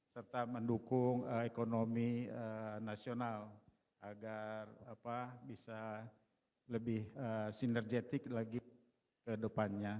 serta mendukung ekonomi nasional agar bisa lebih sinergetik lagi ke depannya